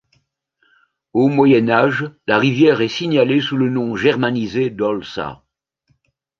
Au Moyen Âge, la rivière est signalée sous le nom germanisé d'Olsa.